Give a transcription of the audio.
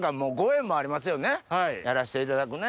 やらしていただくね。